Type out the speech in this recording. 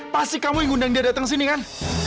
pasti kamu yang ngundang dia datang sini kan